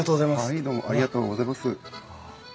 はいどうもありがとうございます。